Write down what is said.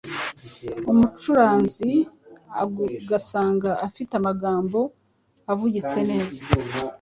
Umucuranzi ugasanga afite amagambo avugitse neza.